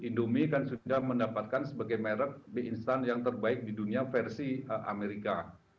indomie kan sudah mendapatkan sebagai merek mie instan yang terbaik di dunia versi amerika